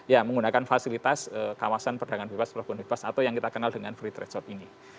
ya menggunakan fasilitas kawasan perdagangan bebas pelabuhan bebas atau yang kita kenal dengan free trade shot ini